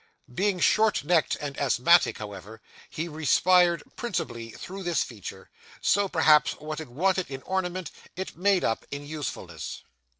Being short necked and asthmatic, however, he respired principally through this feature; so, perhaps, what it wanted in ornament, it made up in usefulness.